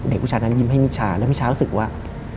ผู้ชายนั้นยิ้มให้มิชาแล้วมิชารู้สึกว่า